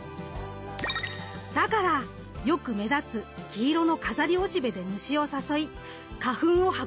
だからよく目立つ黄色の飾りおしべで虫を誘い花粉を運んでもらうんです。